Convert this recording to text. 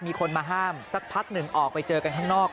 มีคนมาห้ามสักพักหนึ่งออกไปเจอกันข้างนอก